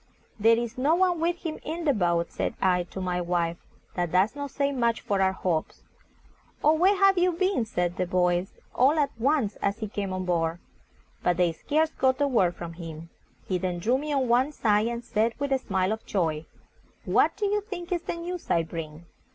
"There is no one with him in the boat," said I to my wife; "that does not say much for our hopes." "Oh, where have you been?" said the boys, all at once, as he came on board. But they scarce got a word from him. He then drew me on one side, and said, with a smile of joy, "What do you think is the news I bring?"